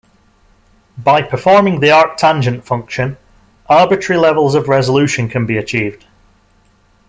By performing the arctangent function, arbitrary levels of resolution can be achieved.